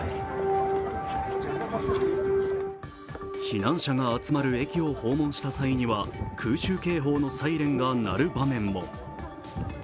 避難者が集まる駅を訪問した際には空襲警報のサイレンが鳴る場面も。